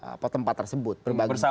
apa tempat tersebut berbagi dengan partai